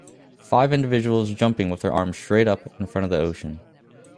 Five individuals jumping with their arms straight up in front of the ocean